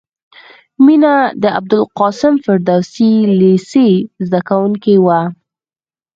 مینه د ابوالقاسم فردوسي لېسې زدکوونکې وه